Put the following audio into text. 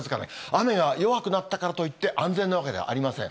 雨が弱くなったからといって、安全なわけではありません。